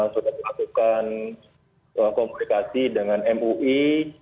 sudah melakukan komunikasi dengan mui